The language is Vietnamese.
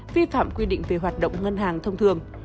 vi phạm quy định về hoạt động ngân hàng thông thường